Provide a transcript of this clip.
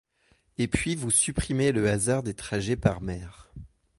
Et puis vous supprimez le hasard des trajets par mer.